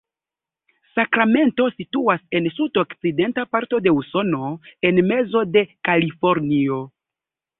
Sakramento situas en sudokcidenta parto de Usono, en mezo de Kalifornio.